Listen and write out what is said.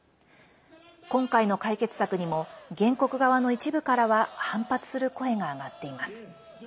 今回の解決策にも原告側の一部からは反発する声が上がっています。